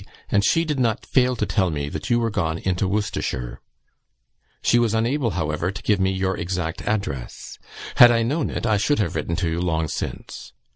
and she did not fail to tell me that you were gone into Worcestershire; she was unable, however, to give me your exact address. Had I known it, I should have written to you long since.